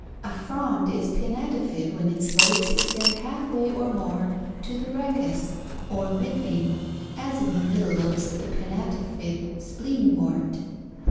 A frond is pinnátifid when its lobes extend halfway or more to the rachis or midvein as in the middle lobes of the pinnátifid spleenwort (Fig.